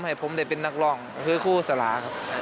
ให้ผมได้เป็นนักร้องคือครูสลาครับ